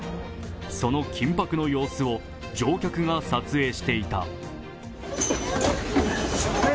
その緊迫の様子を乗客が撮影していた。